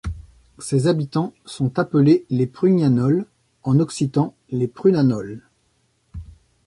Ses habitants sont appelés les Prugnanols, en occitan les Prunhanòls.